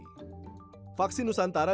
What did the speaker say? supari vaksi nusantara